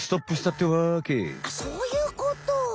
あっそういうこと！